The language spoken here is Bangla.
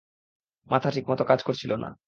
মাথা ঠিকমত কাজ করছিল না!